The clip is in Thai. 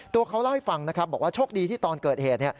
ตัวเขาเล่าให้ฟังนะครับบอกว่าโชคดีที่ตอนเกิดเหตุ